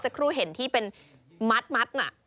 ครูเห็นที่เป็นมัดน่ะ